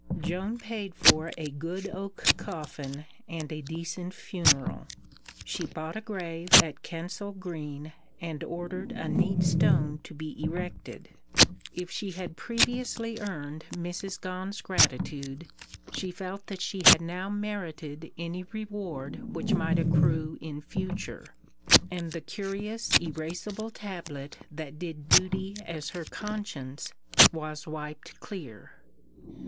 Joan paid for a good oak coffin and a decent funeral. She bought a grave at Kensal Green and ordered a neat stone to be erected. If she had previously earned Mrs. Gone's gratitude, she felt that she had now merited any reward which might accrue in future, and the curious, erasible tablet that did duty as her conscience was wiped clear.